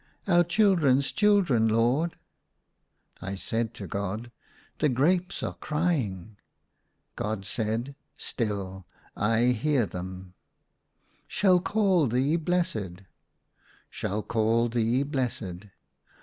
" Our children's children, Lord." I said to God, " The grapes are crying !" God said, "Still! / hear them" " shall call thee blessed." ACROSS MY BED. 143 " Shall call thee blessed."